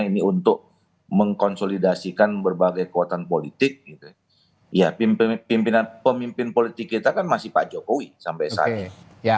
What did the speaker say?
ini untuk mengkonsolidasikan berbagai kekuatan politik ya pimpinan pemimpin politik kita kan masih pak jokowi sampai saat ini